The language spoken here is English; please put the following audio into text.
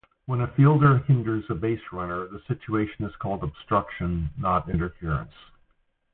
When a fielder hinders a baserunner, the situation is called obstruction, not interference.